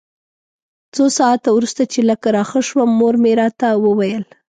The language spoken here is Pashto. څو ساعته وروسته چې لږ راښه شوم مور مې راته وویل.